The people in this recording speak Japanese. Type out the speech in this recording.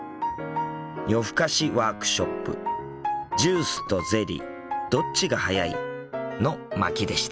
夜ふかしワークショップ「ジュースとゼリーどっちが速い」の巻でした。